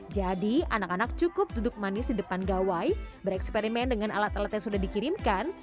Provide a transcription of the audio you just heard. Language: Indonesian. jadi anak anak cukup duduk manis di depan gawai bereksperimen dengan alat alat yang sudah dikirimkan